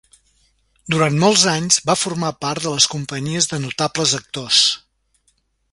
Durant molts anys va formar part de les companyies de notables actors.